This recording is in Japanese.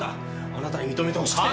あなたに認めてほしくて。